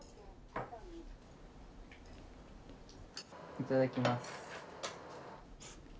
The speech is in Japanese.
いただきます。